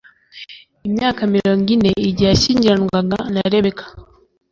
imyaka mirongo ine igihe yashyingiranwaga na rebeka